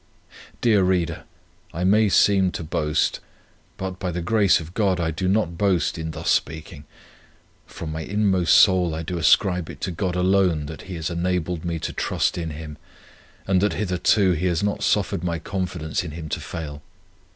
Dear reader, I may seem to boast; but, by the grace of God, I do not boast in thus speaking. From my inmost soul I do ascribe it to God alone that He has enabled me to trust in Him, and that hitherto He has not suffered my confidence in Him to fail.